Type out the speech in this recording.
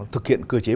thực hiện cơ chế